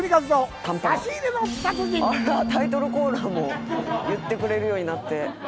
「タイトルコールも言ってくれるようになって」